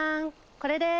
これです！